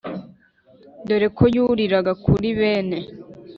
dore ko yuririraga kuri bene